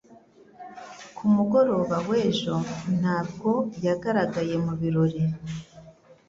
Ku mugoroba w'ejo, ntabwo yagaragaye mu birori.